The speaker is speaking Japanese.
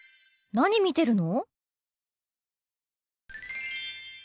何見てるの？